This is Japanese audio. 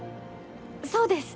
そうです！